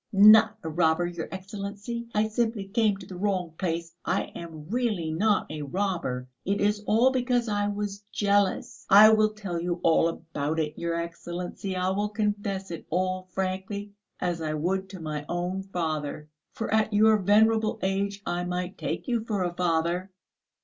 "Not a robber, your Excellency. I simply came to the wrong place; I am really not a robber! It is all because I was jealous. I will tell you all about it, your Excellency, I will confess it all frankly, as I would to my own father; for at your venerable age I might take you for a father."